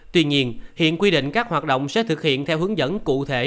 tuy nhiên hiện quy định các hoạt động sẽ thực hiện theo hướng dẫn cụ thể